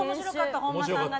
本間さんがね。